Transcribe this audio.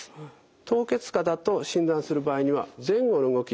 凍結肩と診断する場合には前後の動き